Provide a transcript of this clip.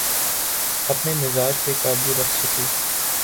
اپنے مزاج پہ قابو رکھ سکے۔